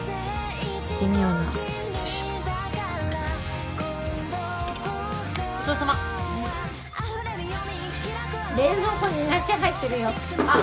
「微妙な」よし合ってるごちそうさま冷蔵庫に梨入ってるよあっ